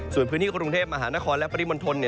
ส่วนพื้นที่กรุงเทพมหานครและปริมณฑล